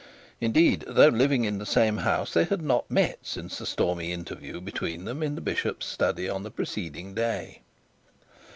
Indeed, though living in the same house, they had not met since the stormy interview between them in the bishop's study on the preceding day.